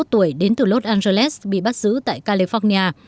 ba mươi một tuổi đến từ los angeles bị bắt giữ tại california